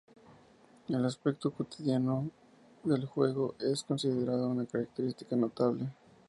El aspecto cotidiano del juego es considerado una característica notable.